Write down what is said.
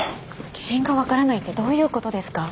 原因が分からないってどういうことですか？